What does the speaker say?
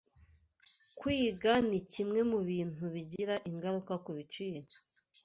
kwiga ni kimwe mu bintu bigira ingaruka ku biciro